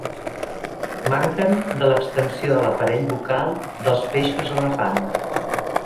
Manquen de l'extensió de l'aparell bucal dels peixos elefant.